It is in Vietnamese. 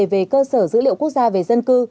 về cơ sở dữ liệu quốc gia về dân cư